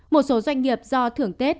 một số doanh nghiệp do thưởng tết